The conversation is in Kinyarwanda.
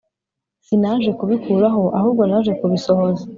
Sinaje kubikuraho ahubwo naje kubisohoza.